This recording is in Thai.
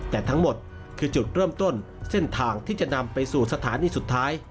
แต่ทั้งหมดคือจุดเริ่มต้นเส้นทางที่จะนำไปสู่สถานีสุดท้าย